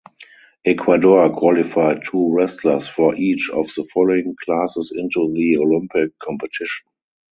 Ecuador qualified two wrestlers for each of the following classes into the Olympic competition.